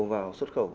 vào xuất khẩu